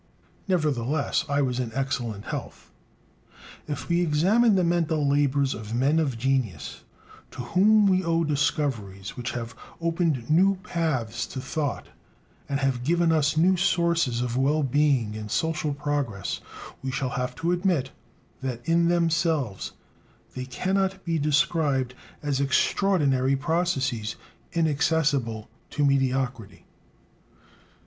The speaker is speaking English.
Nevertheless, I was in excellent health. If we examine the mental labors of men of genius to whom we owe discoveries which have opened new paths to thought, and have given us new sources of well being and social progress, we shall have to admit that in themselves they cannot be described as extraordinary processes, inaccessible to mediocrity.